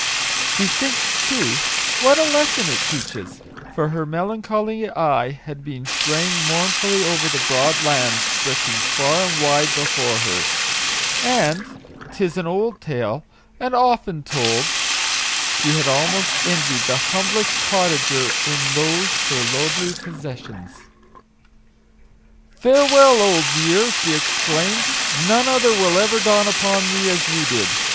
She thinks, too, what a lesson it teaches ; for her melancholy eye had been straying mournfully over the broad lands stretching far and wide before her, and " 'tis an old tale, and often told," she had almost envied the humblest cottager in those her lordly possessions. "Farewell, old year!" she exclaimed ;" none other will ever dawn upon me as you did.